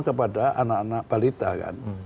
kepada anak anak balita kan